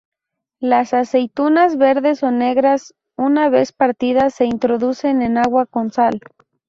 Las aceitunas verdes o negras, una vez partidas, se introducen en agua con sal.